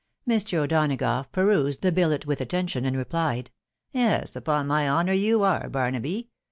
Mr. O'Donagough perused the billet with attention, and replied, " Yes, upon my honour you are, Barnaby